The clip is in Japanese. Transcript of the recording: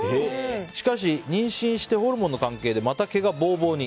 しかし妊娠してホルモンの関係でまた毛がボーボーに。